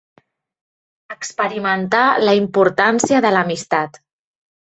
Experimentar la importància de l'amistat.